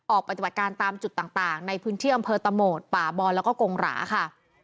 ออกปฏิบัติการตามจุดต่างในพื้นที่อำเภอตะโหมดป่าบอลแล้วก็กงหราค่ะ